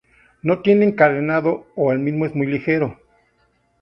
No tienen carenado o el mismo es muy ligero.